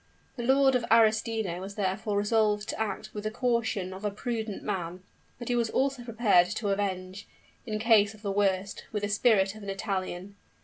The Lord of Arestino was therefore resolved to act with the caution of a prudent man: but he was also prepared to avenge, in case of the worst, with the spirit of an Italian.